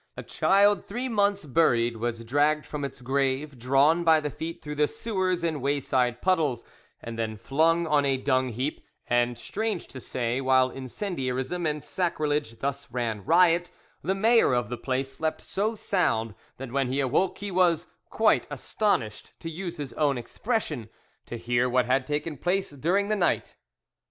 A child three months buried was dragged from its grave, drawn by the feet through the sewers and wayside puddles, and then flung on a dung heap; and, strange to say, while incendiarism and sacrilege thus ran riot, the mayor of the place slept so sound that when he awoke he was "quite astonished," to use his own expression, to hear what had taken place during the night.